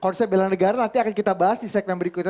konsep bela negara nanti akan kita bahas di segmen berikutnya